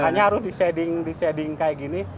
makanya harus di shading kayak gini